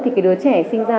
thì đứa trẻ sinh ra